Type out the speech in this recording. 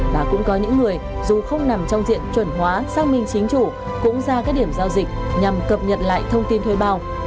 và cũng có những người dù không nằm trong diện chuẩn hóa xác minh chính chủ cũng ra các điểm giao dịch nhằm cập nhật lại thông tin thuê bao